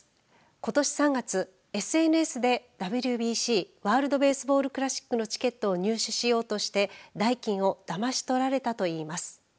ことし３月、ＳＮＳでＷＢＣワールド・ベースボール・クラシックのチケットを入手しようとして代金をだまし取られたといいます。